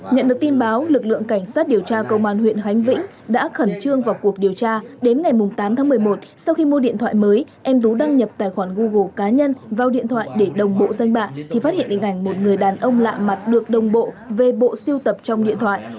nhận được tin báo lực lượng cảnh sát điều tra công an huyện khánh vĩnh đã khẩn trương vào cuộc điều tra đến ngày tám tháng một mươi một sau khi mua điện thoại mới em tú đăng nhập tài khoản google cá nhân vào điện thoại để đồng bộ danh bạc thì phát hiện hình ảnh một người đàn ông lạ mặt được đồng bộ về bộ siêu tập trong điện thoại